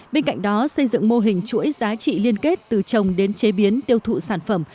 bên cạnh đó xây dựng mô hình chuỗi giá trị liên kết từ trồng đến chế biến tiêu thụ sản phẩm